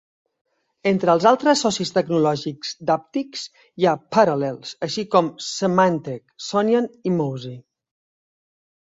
Entre els altres socis tecnològics d'Apptix hi ha Parallels, així com Symantec, Sonian i Mozy.